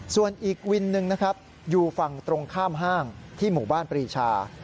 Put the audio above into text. ส่วนอีกวินหนึ่งนะครับอยู่ฝั่งตรงข้ามห้างที่หมู่บ้านปรีชา